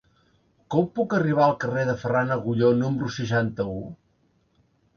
Com puc arribar al carrer de Ferran Agulló número seixanta-u?